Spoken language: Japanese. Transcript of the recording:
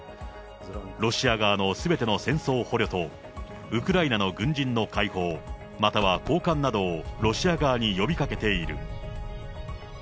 ロシア側のすべての戦争捕虜と、ウクライナの軍人の解放、または交換などをロシア側に呼びかけている。